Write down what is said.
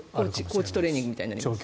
高地トレーニングみたいなね。